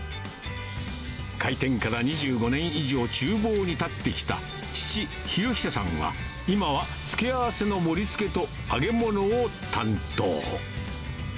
開店から２５年以上、ちゅう房に立ってきた父、浩久さんは、今は付け合わせの盛りつけと、揚げ物を担当。